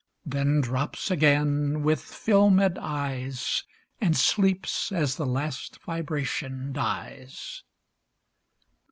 Then drops again with fdmed eyes, And sleeps as the last vibration dies.